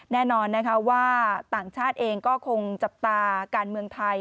แน่นอนนะคะว่าต่างชาติเองก็คงจับตาการเมืองไทย